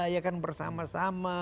ya kan bersama sama